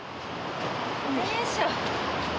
よいしょ。